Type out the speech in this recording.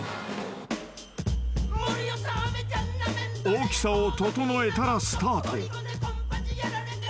［大きさを整えたらスタート］